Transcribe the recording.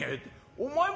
お前。